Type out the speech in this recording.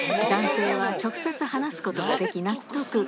男性は直接話すことができ納得。